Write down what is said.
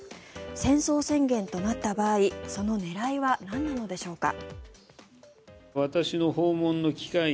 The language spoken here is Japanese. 戦争宣言となった場合その狙いはなんなのでしょうか。